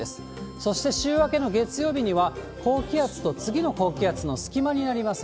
そして、週明けの月曜日には、高気圧と次の高気圧の隙間にあります